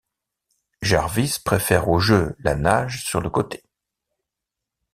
Jarvis préfère aux Jeux la nage sur le côté.